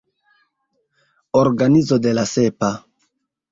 Organizo de la Sepa.